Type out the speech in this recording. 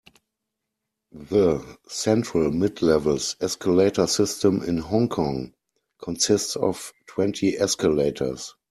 The Central-Midlevels escalator system in Hong Kong consists of twenty escalators.